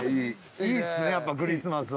いいですねやっぱクリスマスは。